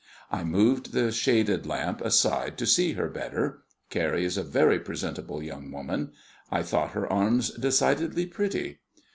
I moved the shaded lamp aside to see her better Carrie is a very presentable young woman; I thought her arms decidedly pretty.